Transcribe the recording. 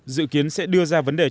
dự kiến sẽ đưa ra vấn đề